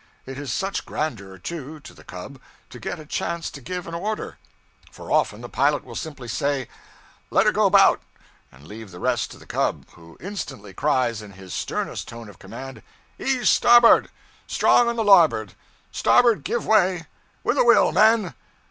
It is such grandeur, too, to the cub, to get a chance to give an order; for often the pilot will simply say, 'Let her go about!' and leave the rest to the cub, who instantly cries, in his sternest tone of command, 'Ease starboard! Strong on the larboard! Starboard give way! With a will, men!'